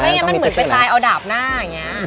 ไม่มันเหมือนไปจ่ายเอาดาบหน้าอย่างนี้